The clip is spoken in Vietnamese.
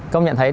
công nhận thấy